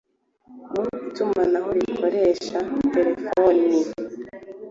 mu itumanaho rikoresha terefoni